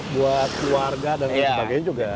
buat keluarga dan lain sebagainya juga